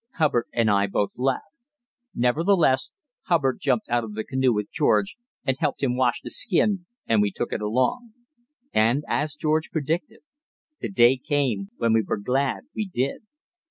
Hubbard and I both laughed. Nevertheless Hubbard jumped out of the canoe with George and helped him wash the skin, and we took it along. And, as George predicted, the day came when we were glad we did.